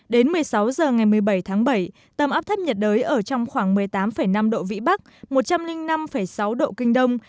đến một mươi sáu h ngày một mươi bảy tháng bảy tâm áp thấp nhiệt đới ở trong khoảng một mươi tám năm độ vĩ bắc một trăm linh năm sáu độ kinh đông